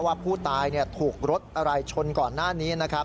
ว่าผู้ตายถูกรถอะไรชนก่อนหน้านี้นะครับ